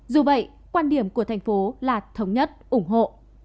dù vậy quan điểm của thành phố là thống nhất ủng hộ